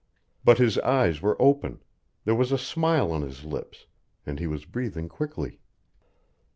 But his eyes were open, there was a smile on his lips, and he was breathing quickly.